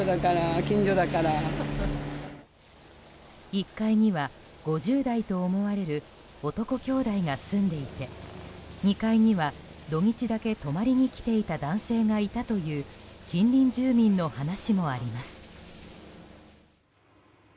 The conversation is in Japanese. １階には５０代と思われる男きょうだいが住んでいて２階には土日だけ泊まりにきていた男性がいたという近隣住民の話もあります。